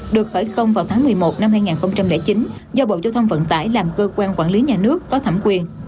được khởi công vào tháng một mươi một năm hai nghìn chín do bộ giao thông vận tải làm cơ quan quản lý nhà nước có thẩm quyền